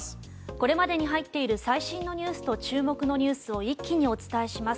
これまでに入っている最新ニュースと注目ニュースを一気にお伝えします。